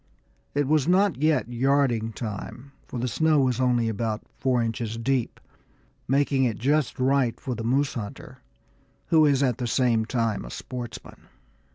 It was not yet yarding time, for the snow was still only about four inches deep, making it just right for the moose hunter who is at the same time a sportsman.